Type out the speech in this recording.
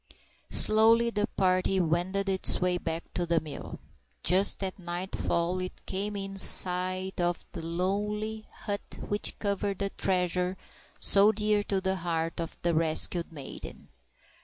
_ SLOWLY the party wended its way back to the mill. Just at nightfall it came in sight of the lowly hut which covered the treasure so dear to the heart of the rescued maiden.